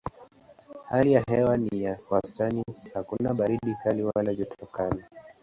Hali ya hewa ni ya wastani hakuna baridi kali wala joto kali.